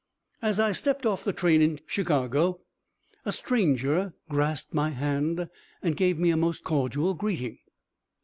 As I stepped off the train in Chicago, a stranger grasped my hand and gave me a most cordial greeting.